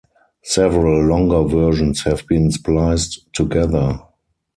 Several longer versions have been spliced together.